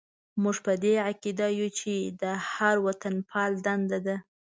موږ په دې عقیده یو چې د هر وطنپال دنده ده.